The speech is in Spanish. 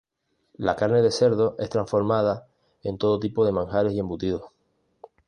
La carne de cerdo es transformada en todo tipo de manjares y embutidos.